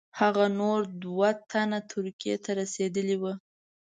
هغه نور دوه تنه ترکیې ته رسېدلي وه.